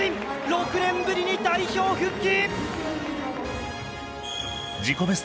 ６年ぶりに代表復帰！